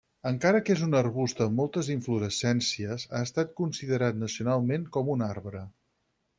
Encara que és un arbust amb moltes inflorescències, ha estat considerat nacionalment com un arbre.